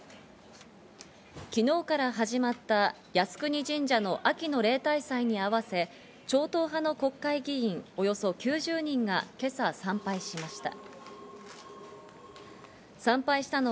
昨日から始まった靖国神社の秋の例大祭に合わせ、超党派の国会議員およそ９０人が今朝参拝しました。